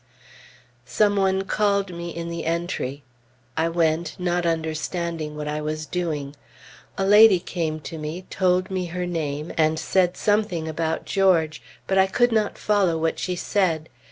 Some one called me in the entry. I went, not understanding what I was doing. A lady came to me, told me her name, and said something about George; but I could not follow what she said.